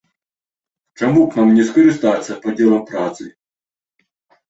Чаму б нам не скарыстацца падзелам працы?